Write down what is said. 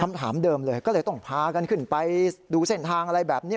คำถามเดิมเลยก็เลยต้องพากันขึ้นไปดูเส้นทางอะไรแบบนี้